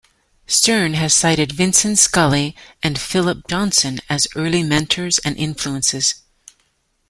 Stern has cited Vincent Scully and Philip Johnson as early mentors and influences.